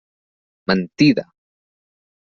Mentida!